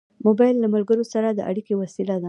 موبایل له ملګرو سره د اړیکې وسیله ده.